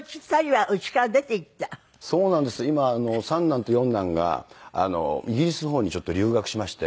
今三男と四男がイギリスの方にちょっと留学しまして。